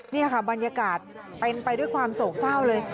นี่ค่ะบรรยากาศเป็นไปด้วยความโศกเศร้าเลย